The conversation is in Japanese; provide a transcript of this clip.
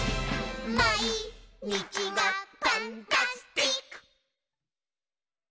「まいにちがパンタスティック！」